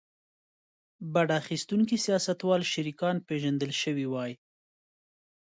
بډه اخیستونکي سیاستوال شریکان پېژندل شوي وای.